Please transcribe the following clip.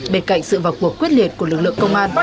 bên cạnh sự vào cuộc quyết liệt của lực lượng công an